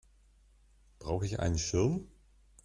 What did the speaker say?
Brauche ich einen Schirm?